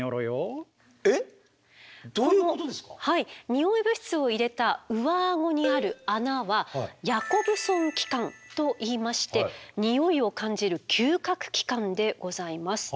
ニオイ物質を入れた上アゴにある穴はヤコブソン器官といいましてニオイを感じる嗅覚器官でございます。